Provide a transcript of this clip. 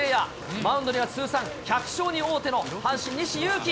マウンドには通算１００勝に王手の阪神、西ゆうき。